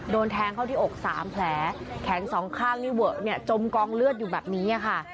โดนแทงเข้าที่อก๓แผลแขนสองข้างนี่เวอะเนี่ยจมกองเลือดอยู่แบบนี้ค่ะ